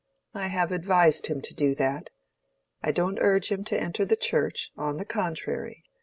I have advised him to do that. I don't urge him to enter the Church—on the contrary.